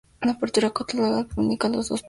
Una apertura octogonal comunica los dos pisos.